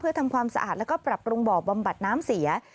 เพื่อทำความสะอาดแล้วก็ปรับปรุงบ่อบำบัดน้ำเสีย